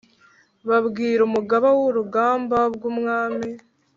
babwira umugaba wurugamba bwumwami